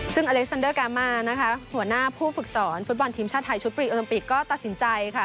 ซึ่งอเล็กซันเดอร์กามานะคะหัวหน้าผู้ฝึกสอนฟุตบอลทีมชาติไทยชุดปรีโอลิมปิกก็ตัดสินใจค่ะ